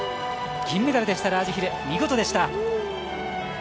銀メダルでしたラージヒル、見事でした。